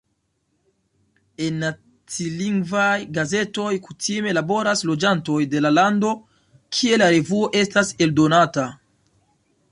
En nacilingvaj gazetoj kutime laboras loĝantoj de la lando, kie la revuo estas eldonata.